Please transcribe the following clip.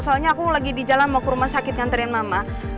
soalnya aku lagi di jalan mau ke rumah sakit ngantrian mama